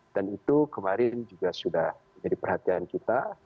dan itu kemarin juga sudah menjadi perhatian kita